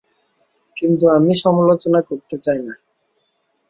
কিন্তু আমি সমালোচনা করতে চাই না।